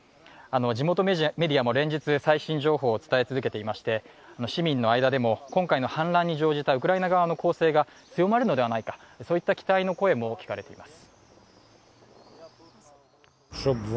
地元メディアも連日、最新情報を伝え続けていまして市民の間でも今回の反乱に乗じたウクライナ側の攻勢が強まるのではないのかそうした期待の声も聞かれています。